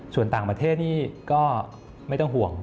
ส่วนต่างประเทศนี่ก็ไม่ต้องห่วง